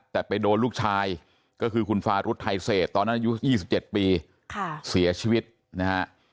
แต่ไปโดนลูกชายก็คือคุณฟารุธไทยเศษตอนนั้นอายุ๒๗ปีเสียชีวิตนะฮะ